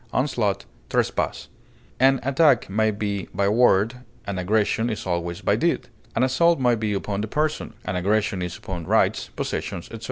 encroachment, intrusion, An attack may be by word; an aggression is always by deed. An assault may be upon the person, an aggression is upon rights, possessions, etc.